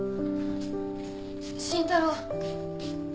慎太郎